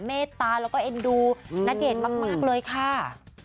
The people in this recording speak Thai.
เมตตาแล้วก็เอ็นดูณเดชน์มากเลยค่ะ